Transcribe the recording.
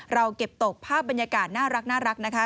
เราเก็บตกภาพบรรยากาศน่ารักนะคะ